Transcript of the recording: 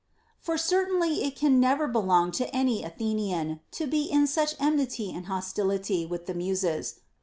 For certainly it can never belong to any Athenian to be in such enmity and hostility with the Muses.